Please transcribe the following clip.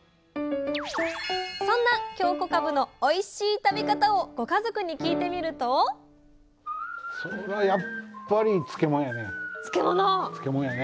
そんな京こかぶのおいしい食べ方をご家族に聞いてみるとそらやっぱり漬物やね。